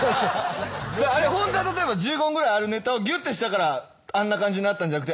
ホントは１５分ぐらいあるネタをぎゅってしたからあんな感じになったんじゃなくて。